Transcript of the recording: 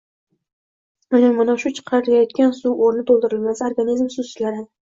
Agar mana shu chiqarilayotgan suv o‘rni to‘ldirilmasa, organizm suvsizlanadi.